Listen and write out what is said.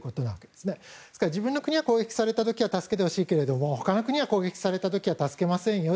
ですから、自分の国が攻撃された時には助けてほしいけれど他の国が攻撃された時は助けませんよ